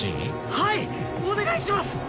はいお願いします！